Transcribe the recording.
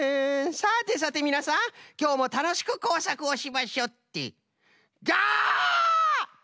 さてさてみなさんきょうもたのしくこうさくをしましょってどわ！